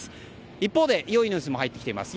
一方で良いニュースも入っています。